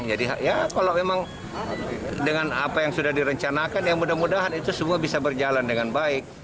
jadi ya kalau memang dengan apa yang sudah direncanakan ya mudah mudahan itu semua bisa berjalan dengan baik